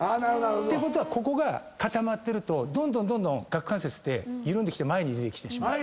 てことはここが固まってるとどんどん顎関節って緩んできて前に出てきてしまう。